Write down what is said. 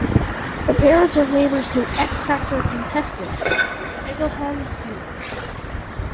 Her parents are neighbours to X-Factor contestant Eoghan Quigg.